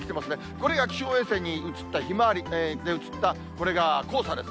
これが気象衛星に映ったひまわりで写ったこれが黄砂です。